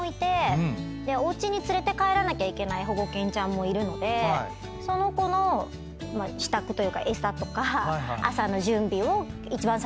うちに連れて帰らなきゃいけない保護犬ちゃんもいるのでその子の支度というか餌とか朝の準備を一番最初にしてますね。